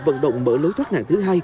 vận động mở lối thoát nặng thứ hai